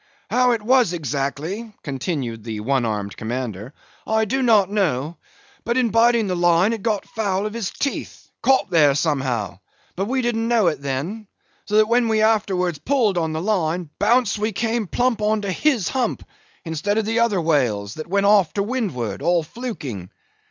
"How it was exactly," continued the one armed commander, "I do not know; but in biting the line, it got foul of his teeth, caught there somehow; but we didn't know it then; so that when we afterwards pulled on the line, bounce we came plump on to his hump! instead of the other whale's; that went off to windward, all fluking.